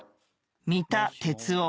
三田哲夫